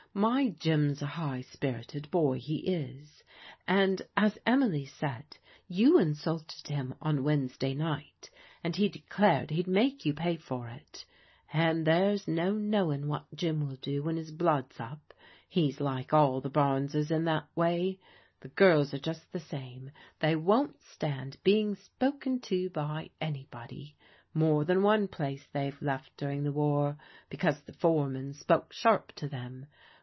My Jim's a high spirited boy, he is, and as Emily said| you insulted him on Wednesday night, and he declared he'd make you pay for it. And there's no knowin' what jim will do when his blood's up. He's like all the it THE COLONEL VISITS CAMDEN TOWN 139 Barneses in that way. The girls are just the same. They won't stand being spoken to by anybody. More than one place they've left during the war, because the fore man spoke sharp to them.